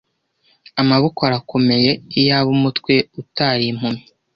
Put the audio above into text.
Amaboko arakomeye, iyaba umutwe utari impumyi.